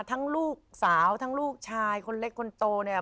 ทั้งลูกสาวทั้งลูกชายคนเล็กคนโตเนี่ย